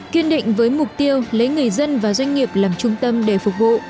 kiên định với mục tiêu lấy người dân và doanh nghiệp làm trung tâm để phục vụ